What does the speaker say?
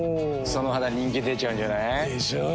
その肌人気出ちゃうんじゃない？でしょう。